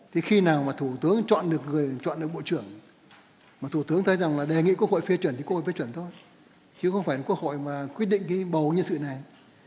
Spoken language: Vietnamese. thì khi nào mà thủ tướng chọn được người chọn được bộ trưởng mà thủ tướng thấy rằng là đề nghị quốc hội phê chuẩn thì quốc hội phê chuẩn thôi chứ không phải quốc hội mà quyết định cái bầu nhân sự này